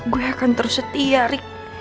gue akan terus setia rik